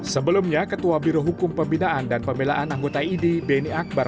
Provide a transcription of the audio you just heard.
sebelumnya ketua birohukum pembinaan dan pemilaan anggota idi beni akbar